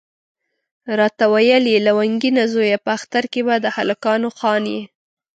راته ویل یې لونګینه زویه په اختر کې به د هلکانو خان یې.